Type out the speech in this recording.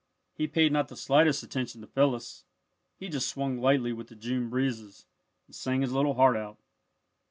He paid not the slightest attention to Phyllis. He just swung lightly with the June breezes, and sang his little heart out.